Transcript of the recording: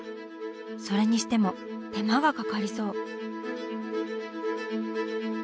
それにしても手間がかかりそう。